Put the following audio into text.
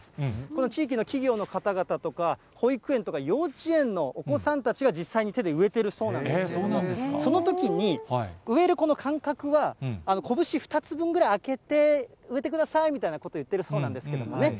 この地域の企業の方々とか、保育園とか幼稚園のお子さんたちが、実際に手で植えているそうなんですけれども、そのときに、植えるこの間隔は、拳２つ分ぐらい空けて植えてくださいみたいなことを言ってるそうなんですけどもね。